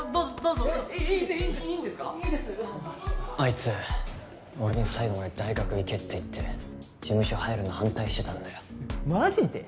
あいつ俺に最後まで大学行けって言って事務所入るの反対してたんだよマジで？